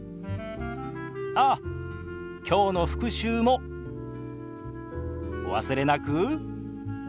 ああ今日の復習もお忘れなく。